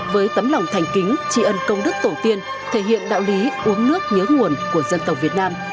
với tấm lòng thành kính tri ân công đức tổ tiên thể hiện đạo lý uống nước nhớ nguồn của dân tộc việt nam